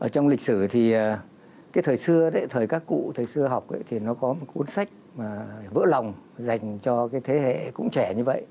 trong lịch sử thì thời các cụ thời xưa học thì nó có một cuốn sách vỡ lòng dành cho thế hệ cũng trẻ như vậy